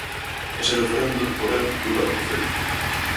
Ese referendo, porén, nunca aconteceu.